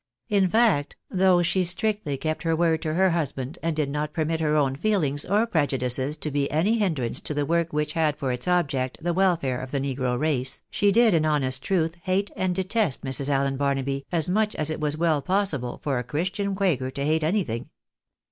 In fact, though she strictly kept her word to her husband, and did not permit her own feelings or prejudices to be any hindrance to the work which had for its object the welfare of the negro race, she did, in honest truth, hate and detest Mrs. Allen Barnaby as much 248 THE BARl^Auio iJN AMJiKICA. as it was well possible for a Christian quaker to hate anything.